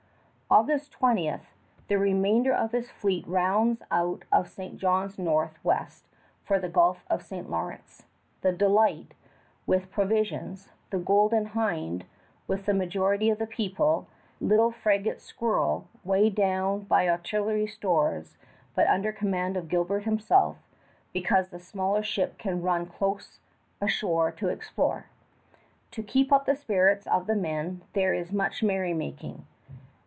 August 20 the remainder of his fleet rounds out of St. John's south west for the Gulf of St. Lawrence, the Delight with the provisions, the Golden Hinde with the majority of the people, the little frigate Squirrel weighted down by artillery stores but under command of Gilbert himself, because the smaller ship can run close ashore to explore. To keep up the spirits of the men, there is much merrymaking.